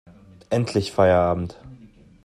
Endlich Feierabend!